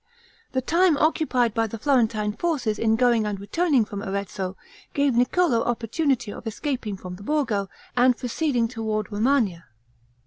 The time occupied by the Florentine forces in going and returning from Arezzo, gave Niccolo opportunity of escaping from the Borgo, and proceeding toward Romagna.